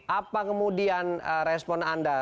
apa kemudian respon anda